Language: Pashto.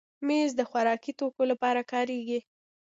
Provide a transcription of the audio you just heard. مېز د خوراکي توکو لپاره کارېږي.